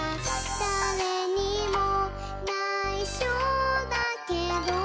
「だれにもないしょだけど」